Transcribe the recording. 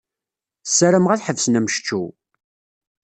Ssarameɣ ad ḥebsen ammectcew.